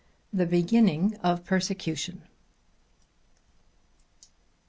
THE BEGINNING OF PERSECUTION.